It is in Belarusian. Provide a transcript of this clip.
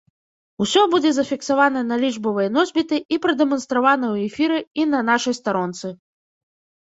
Усё будзе зафіксавана на лічбавыя носьбіты і прадэманстравана ў эфіры і на нашай старонцы.